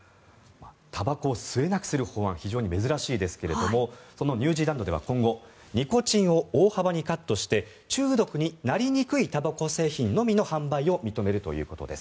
たばこを吸えなくする法案非常に珍しいですがそのニュージーランドでは今後ニコチンを大幅にカットして中毒になりにくいたばこ製品のみの販売を認めるということです。